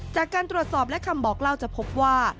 จากการตรวจสอบและคำบอกเล่าจะพบว่า